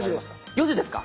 ４時ですか！